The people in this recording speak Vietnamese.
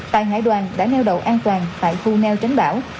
tại hải đoàn đã neo đậu an toàn tại khu neo tránh bão